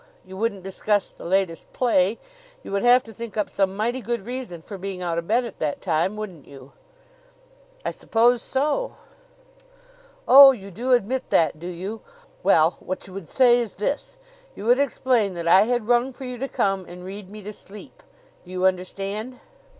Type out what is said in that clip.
You wouldn't discuss the latest play? You would have to think up some mighty good reason for being out of bed at that time, wouldn't you?" "I suppose so." "Oh, you do admit that, do you? Well, what you would say is this: You would explain that I had rung for you to come and read me to sleep. Do you understand?"